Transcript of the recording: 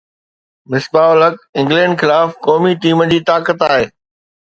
مصباح الحق انگلينڊ خلاف قومي ٽيم جي طاقت آهي